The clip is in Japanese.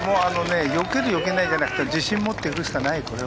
よけるよけないじゃなくて自信を持って行くしかない。